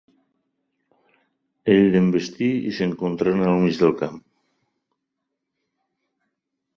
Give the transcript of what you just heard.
Ell l'envestí i s'encontraren al mig del camp.